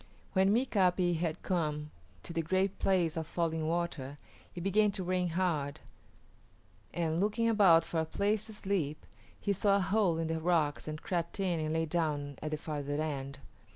When Mika´pi had come to the Great Place of Falling Water,[A] it began to rain hard, and, looking about for a place to sleep, he saw a hole in the rocks and crept in and lay down at the farther end.